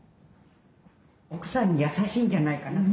奥さんに優しいんじゃないかなと。